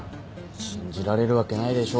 信じられるわけないでしょ